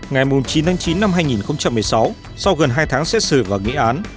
ngày chín chín hai nghìn một mươi sáu sau gần hai tháng xét xử và nghĩ án